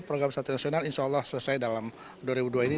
program satu nasional insya allah selesai dalam dua ribu dua ini